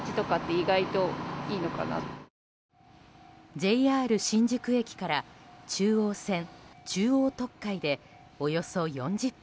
ＪＲ新宿駅から中央線中央特快でおよそ４０分。